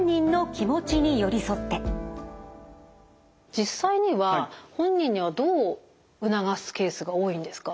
実際には本人にはどう促すケースが多いんですか？